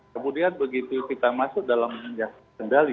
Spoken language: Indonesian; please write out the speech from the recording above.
kemudian begitu kita masuk dalam kendali